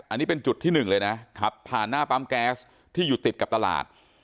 อันนี้เป็นจุดที่หนึ่งเลยนะขับผ่านหน้าปั๊มแก๊สที่อยู่ติดกับตลาด